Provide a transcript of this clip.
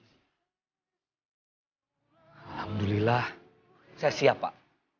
alhamdulillah saya siap pak